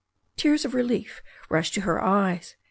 Tears of relief rushed to her eyes.